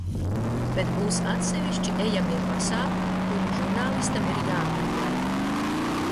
Bet būs atsevišķi ejamie pasākumi, kuri žurnālistam ir jāapmeklē.